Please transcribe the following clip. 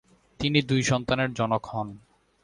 তিনি দুই সন্তানের জনক হন।